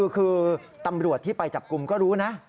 คือตำรวจที่ไปจับกลุ่มก็รู้นะ